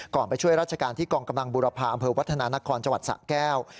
ไปช่วยราชการที่กองกำลังบุรพาอำเภอวัฒนานครจังหวัดสะแก้ว